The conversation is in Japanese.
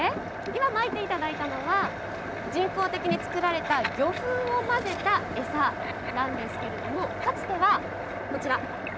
今、まいていただいたのは人工的に作られた魚粉を混ぜた餌なんですけれども、かつてはこちら。